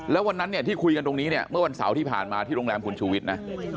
แล้ววันนั้นเนี่ยที่คุยกันตรงนี้เนี่ยเมื่อวันเสาร์ที่ผ่านมาที่โรงแรมคุณชูวิทย์นะ